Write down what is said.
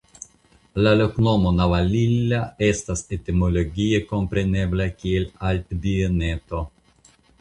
La loknomo "Navalilla" estas etimologie komprenebla kiel Altbieneto.